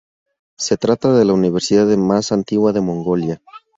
Se trata de la universidad más antigua de Mongolia.